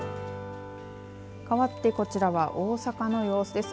かわってこちらは大阪の様子です。